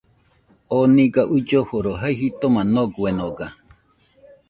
Oo nɨga uilloforo jai jitoma noguenoga